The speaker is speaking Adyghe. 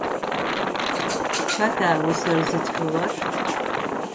Хэта усэр зытхыгъэр?